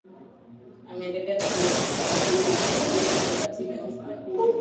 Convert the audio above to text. ameendelea kupuunguza mikakati inayofanywa